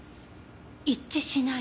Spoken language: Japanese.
一致しない。